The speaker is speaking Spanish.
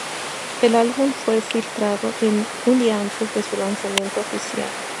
El álbum fue filtrado un día antes de su lanzamiento oficial.